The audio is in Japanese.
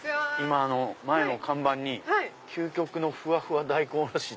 前の看板に「究極のふわふわ大根おろし」。